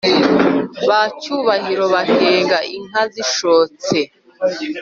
ba cyubahiro bahenga inka zishotse